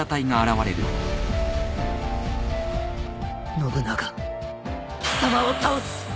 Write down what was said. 信長貴様を倒す！